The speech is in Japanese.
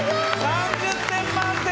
３０点満点！